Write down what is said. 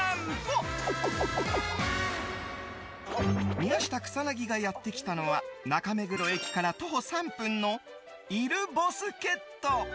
宮下草薙がやってきたのは中目黒駅から徒歩３分のイルボスケット。